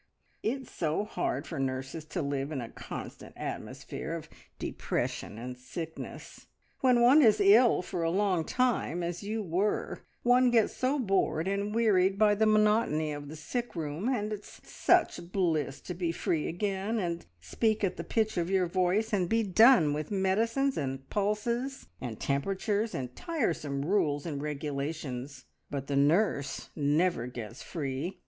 It's so hard for nurses to live in a constant atmosphere of depression and sickness. When one is ill for a long time, as you were, one gets so bored and wearied by the monotony of the sick room, and it's such bliss to be free again, and speak at the pitch of your voice, and be done with medicines, and pulses, and temperatures, and tiresome rules and regulations, but the nurse never gets free.